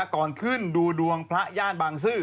ก่อนขึ้นดูดวงพระย่านบางซื่อ